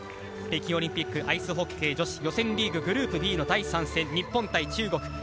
北京オリンピックアイスホッケー女子予選リーググループ２位の第３戦日本対中国。